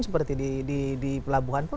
seperti di pelabuhan pun